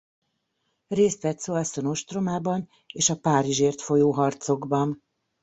Részt vett Soissons ostromában és a Párizsért folyó harcokban.